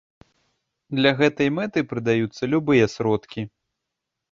Для гэтай мэты прыдаюцца любыя сродкі.